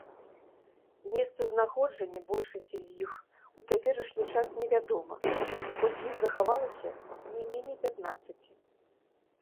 Месцазнаходжанне большасці з іх у цяперашні час невядома, хоць іх захавалася не меней пятнаццаці.